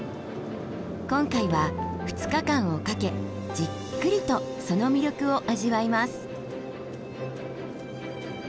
今回は２日間をかけじっくりとその魅力を味わいます。